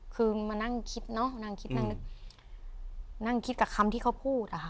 คือมานั่งคิดเนาะนั่งคิดกับคำที่เค้าพูดอะฮะ